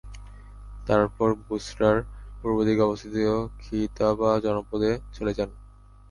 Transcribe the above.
তারপর বুসরার পূর্বদিকে অবস্থিত খিতাবা জনপদে চলে যান।